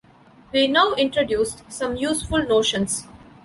We now introduce some useful notions.